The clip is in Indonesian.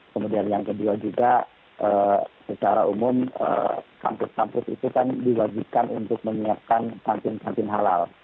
kemudian yang kedua juga secara umum kampus kampus itu kan diwajibkan untuk menyiapkan kantin kantin halal